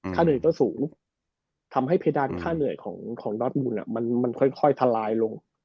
เหนื่อยก็สูงทำให้เพดานค่าเหนื่อยของดอสมูลมันค่อยทลายลง